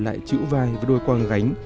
lại chữ vai với đôi quang gánh